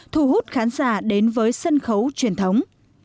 thu hút khán giả đến với sân khấu truyền thống